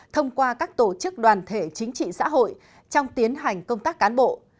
thông qua các tổ chức đoàn thể chính trị xã hội trong tiến hành công tác cán bộ